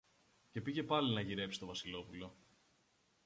Και πήγε πάλι να γυρέψει το Βασιλόπουλο.